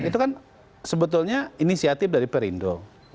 itu kan sebetulnya inisiatif dari perindo